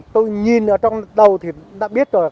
tôi nhìn ở trong đầu thì đã biết rồi